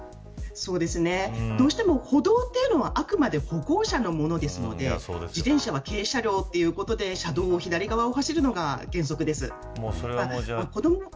どうしても、歩道はあくまで歩行者のものですので自転車は軽車両ということで車道の左側を走るのが原則です。